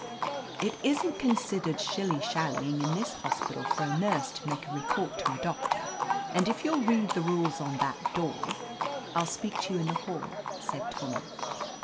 "It isn't considered shilly shallying in this hospital for a nurse to make a report to a doctor, and if you'll read the rules on that door —^" "III speak to you in the hall," said Tommy.